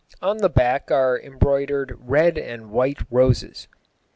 On the back are embroidered red and white roses."